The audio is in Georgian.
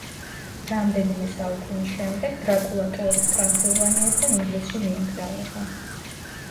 რამდენიმე საუკუნის შემდეგ დრაკულა ტოვებს ტრანსილვანიას და ინგლისში მიემგზავრება.